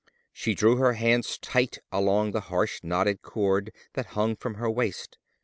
She drew her hands tight along the harsh knotted cord that hung from her waist.